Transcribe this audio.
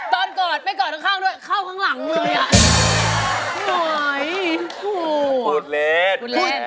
บั้มครับ